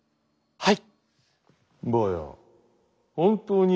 はい！